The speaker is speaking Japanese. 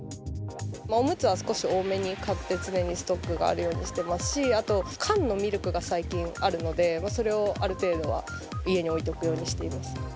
おむつは少し多めに買って、常にストックがあるようにしてますし、あと、缶のミルクが最近あるので、それをある程度は家に置いておくようにしています。